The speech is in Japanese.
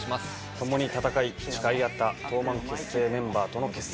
共に戦い誓い合った東卍結成メンバーとの決戦。